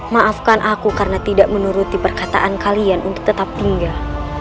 maafkan aku karena tidak menuruti perkataan kalian untuk tetap tinggal